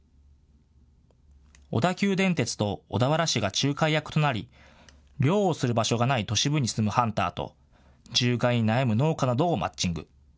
小田急電鉄と小田原市が仲介役となり猟をする場所がない都市部に住むハンターと獣害に悩む農家などをマッチング。